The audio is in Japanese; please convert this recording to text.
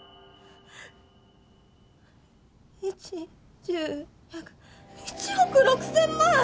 一十百１億６，０００万！？